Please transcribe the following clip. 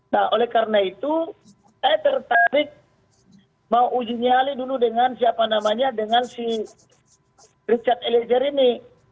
nah oleh karena itu saya tertarik mau uji nyali dulu dengan siapa namanya dengan si richard eliezer ini